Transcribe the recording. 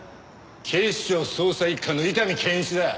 警視庁捜査一課の伊丹憲一だ。